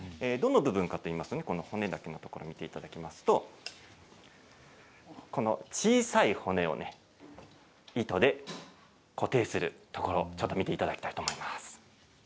どの部分かといいますと骨だけのところを見ていただきますと小さい骨を糸で固定するところちょっと見ていただきたいと思います。